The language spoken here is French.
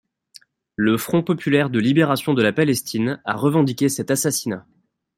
Le Front populaire de libération de la Palestine a revendiqué cet assassinat.